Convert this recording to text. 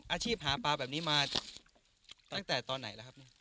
อาชีพหาปลาแบบนี้มาตั้งแต่ตอนไหนละครับ